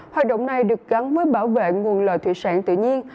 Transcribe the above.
hoạt động này được gắn với bảo vệ nguồn lợi thủy sản tự nhiên